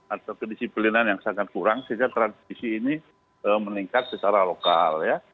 atau kedisiplinan yang sangat kurang sehingga transisi ini meningkat secara lokal ya